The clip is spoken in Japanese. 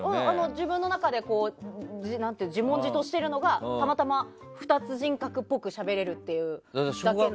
自分の中で自問自答しているのがたまたま２つ人格っぽくしゃべれるみたいな。